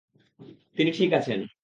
তিনি ঠিক আছেন।